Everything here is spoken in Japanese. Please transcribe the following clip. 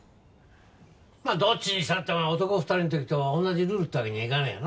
まあどっちにしたって男二人の時と同じルールってわけにはいかねえよな。